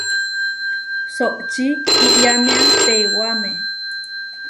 Soʼočí iyámia teiwáme.